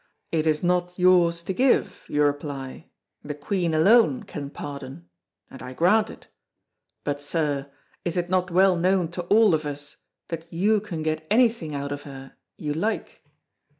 It is not yours to give, you reply, the Queen alone can pardon, and I grant it; but, sir, is it not well known to all of us that you can get anything out of her you like?"